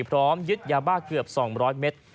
พร้อมยึดยาบ้าเกือบ๒๐๐เมตร